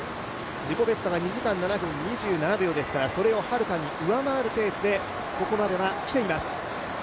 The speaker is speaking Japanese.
自己ベストが２時間７分２７秒ですから、それをはるかに上回るペースで、ここまではきています。